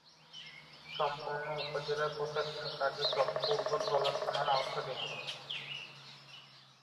সম্পূর্ণ উপজেলার প্রশাসনিক কার্যক্রম পূর্বধলা থানার আওতাধীন।